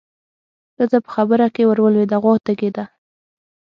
ښځه په خبره کې ورولوېده: غوا تږې ده.